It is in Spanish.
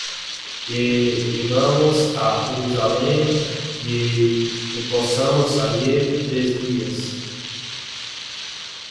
Y llegamos á Jerusalem, y reposamos allí tres días.